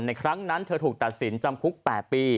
ครั้งนั้นเธอถูกตัดสินจำคุก๘ปี